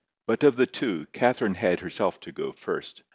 But of the two, Catherine had herself to go first.